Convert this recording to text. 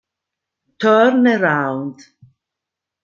Turn Around